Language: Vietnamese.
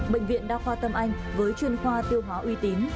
bệnh viện đa khoa tâm anh với chuyên khoa tiêu hóa uy tín